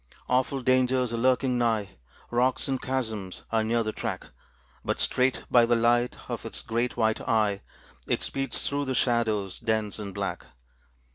Awful dangers are lurking nigh, Rocks and chasms are near the track, But straight by the light of its great white eye It speeds through the shadows, dense and black.